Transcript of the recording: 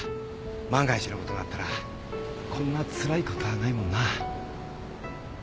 万が一のことがあったらこんなつらいことはないもんな。